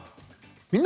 「みんな！